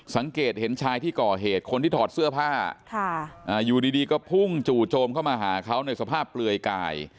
สังเกตเห็นชายที่ก่อเหตุคนที่ถอดเสื้อผ้าอยู่ดีก็พุ่งจู่โจมเข้ามาหาเขาในสภาพเปลือยกาย